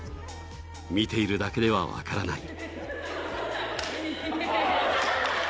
見ているだけでは分からない。